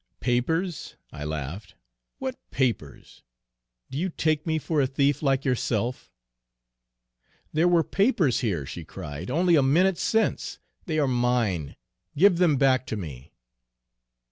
"'Papers?' I laughed, 'what papers? Do you take me for a thief, like yourself?' "'There were papers here,' she cried, 'only a minute since. They are mine, give them back to me!'